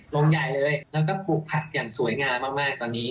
ลงใหญ่เลยแล้วก็ปลูกผักอย่างสวยงามมากตอนนี้